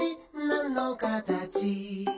なんのかたち？」